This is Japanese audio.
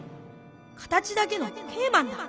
形だけのＫマンだ」。